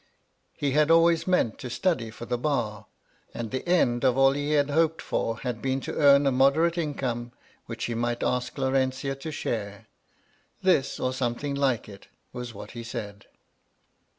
He had always meant to study for the bar, and the end of all he had hoped for had been to earn a moderate income, which he might ask Laurentia to share. This, or something like it, was what he said.